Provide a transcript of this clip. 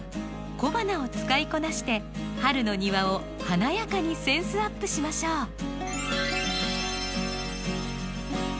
小花を使いこなして春の庭を華やかにセンスアップしましょう！